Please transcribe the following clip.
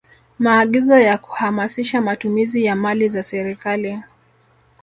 Maagizo ya kuhamasisha matumizi ya mali za serikali